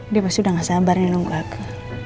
dia pasti udah gak sabar nih nunggu aku